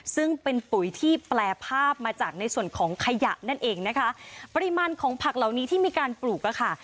ซึ่งเป็นปุ๋ยที่แปลภาพมาจากในส่วนของขยะนั่นเองนะคะปริมาณของผักเหล่านี้ที่มีการปลูกอะค่ะ